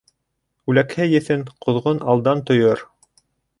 Үләкһә еҫен ҡоҙғон алдан тойор.